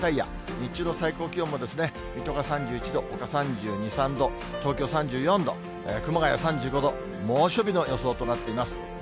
日中の最高気温も、水戸が３１度、ほか３２、３度、東京３４度、熊谷３５度、猛暑日の予想となっています。